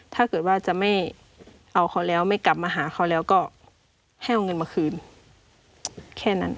ถ้าเกิดว่าจะไม่เอาเขาแล้วไม่กลับมาหาเขาแล้วก็ให้เอาเงินมาคืนแค่นั้น